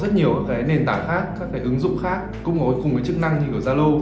thời điểm hiện tại thì có rất nhiều cái nền tảng khác các cái ứng dụng khác cũng có cùng cái chức năng như của zalo